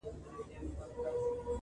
یو په یو به را نړیږي معبدونه د بُتانو٫